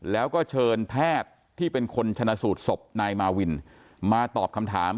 แล้วก็เชิญแพทย์ที่เป็นคนชนะสูตรศพนายมาวินมาตอบคำถาม